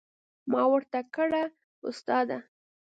ما ورته کړه استاده.